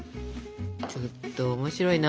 ちょっと面白いな。